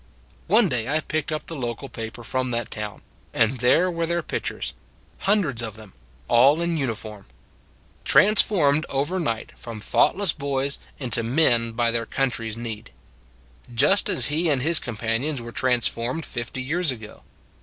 One day I picked up the local paper from that town, and there were their pictures hundreds of them, all in uni form. Transformed overnight from thought less boys into men by their country s need. Just as he and his companions were trans formed, fifty years ago.